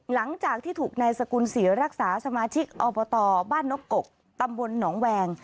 หลังจากที่ถูกนายสกุลศรีรักษาสมาชิกอบตบ้านนกกตำบลหนองแวง